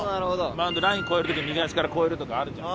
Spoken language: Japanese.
マウンドでライン越える時に右足から越えるとかあるじゃん。